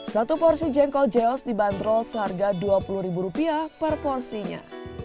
satu porsi jengkol jeos dibanderol seharga dua puluh ribu rupiah per porsinya